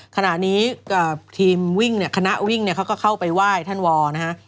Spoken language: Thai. ขณะนี้ทีมวิ่งเนี่ยคณะวิ่งเนี่ยเขาก็เข้าไปไหว้ท่านวอนะฮะ